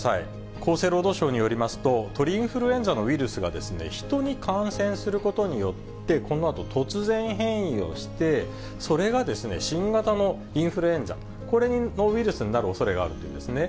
厚生労働省によりますと、鳥インフルエンザのウイルスがヒトに感染することによって、このあと、突然変異をして、それが新型のインフルエンザ、これのウイルスになるおそれがあるというんですね。